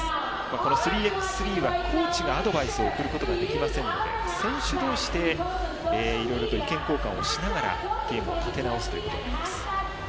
この３ｘ３はコーチがアドバイスを送ることができませんので選手同士で意見交換をしながらゲームを立て直すことになります。